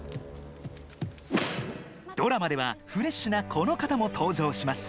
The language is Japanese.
ドラマでは、フレッシュなこの方も登場します。